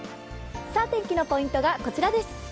天気のポイントがこちらです。